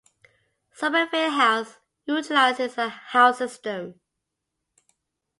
Somerville House utilises a house system.